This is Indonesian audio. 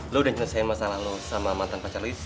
lo udah selesai masalah lo sama mantan pacar lois